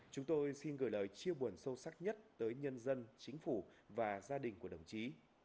chúng tôi xin gửi lời chia buồn sâu sắc nhất tới nhân dân chính phủ và gia đình của đồng chí